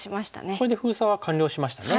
これで封鎖は完了しましたね。